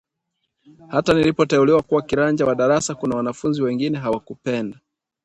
Hata nilipoteuliwa kuwa kiranja wa darasa kuna wanafunzi wengine hawakupenda